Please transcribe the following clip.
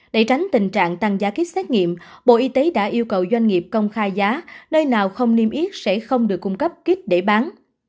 để tránh tình trạng tăng giá kích xét nghiệm bộ y tế đã yêu cầu doanh nghiệp công khai giá nơi nào không niêm yết sẽ không được cung cấp kít để bán